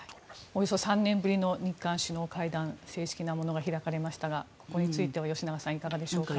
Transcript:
およそ３年ぶりの日韓首脳会談正式なものが開かれましたがこれについては吉永さんいかがでしょうか。